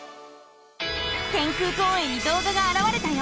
天空公園に動画があらわれたよ！